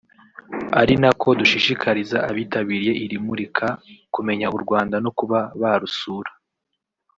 ari nako dushishikariza abitabiriye iri murika kumenya u Rwanda no kuba barusura